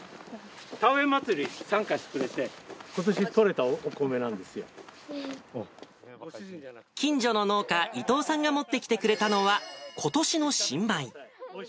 田植え祭りに参加してくれて、近所の農家、伊藤さんが持ってきてくれたのは、ことしの新米。